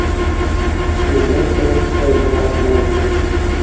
Ишмәмәт менән Хөсәйендең араһына инде: